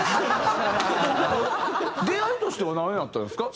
出会いとしてはなんやったんですか？